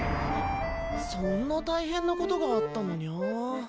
そんな大変なことがあったのにゃ。